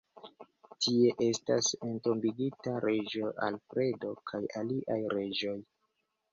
Tie estas entombigita reĝo Alfredo kaj aliaj reĝoj.